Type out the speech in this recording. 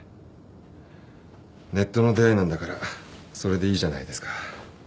ネットの出会いなんだからそれでいいじゃないですか。